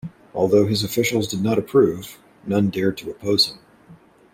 Although his officials did not approve, none dared to oppose him.